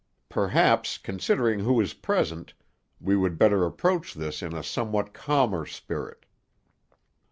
"Perhaps, considering who is present, we would better approach this in a somewhat calmer spirit."